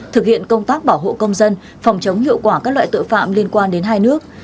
thực hiện công tác bảo hộ công dân phòng chống hiệu quả các loại tội phạm liên quan đến hai nước